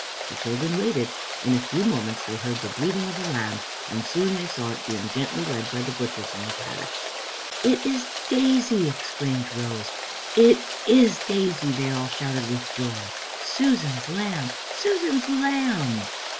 The children waited. In a few moments they heard the bleating of a lamb, and soon they saw it being gently led by the butcher from the paddock. "It is Daisy!" exclaimed Rose. "It is Daisy!" they all shouted with joy, "Susan's lamb! Susan's lamb!"